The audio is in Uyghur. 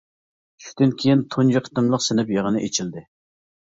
چۈشتىن كېيىن تۇنجى قېتىملىق سىنىپ يىغىنى ئېچىلدى.